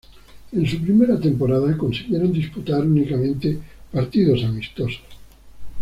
En su primera temporada consiguieron disputar únicamente partidos amistosos.